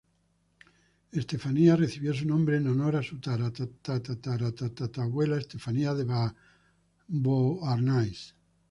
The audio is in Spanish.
Estefanía recibió su nombre en honor a su tatara-tatara-abuela Estefanía de Beauharnais.